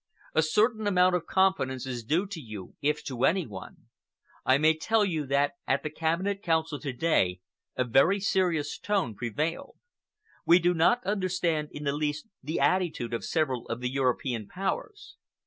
A certain amount of confidence is due to you, if to any one. I may tell you that at the Cabinet Council to day a very serious tone prevailed. We do not understand in the least the attitude of several of the European Powers.